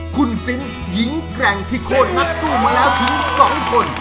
คุณซิมหญิงแกร่งที่โคตรนักสู้มาแล้วถึง๒คน